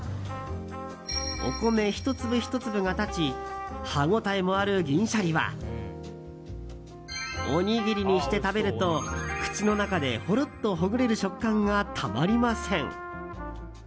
お米１粒１粒が立ち歯応えもある銀シャリはおにぎりにして食べると口の中でほろっとほぐれる食感がたまりません。